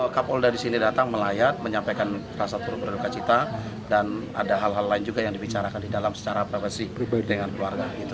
kapolda di sini datang melayat menyampaikan rasa turut berduka cita dan ada hal hal lain juga yang dibicarakan di dalam secara pribadi dengan keluarga